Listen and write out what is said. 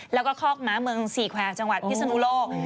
แล้วก็คอกม้าเมืองสี่แควร์จังหวัดพิศนุโลก